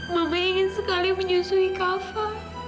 mama ingin sekali menyusui kafe